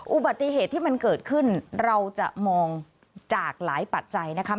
อุบัติเหตุที่มันเกิดขึ้นเราจะมองจากหลายปัจจัยนะคะ